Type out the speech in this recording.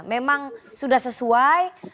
memang sudah sesuai